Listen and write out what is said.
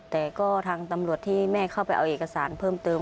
แต่ก็ทางตำรวจที่แม่เข้าไปเอาเอกสารเพิ่มเติม